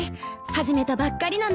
始めたばっかりなのに。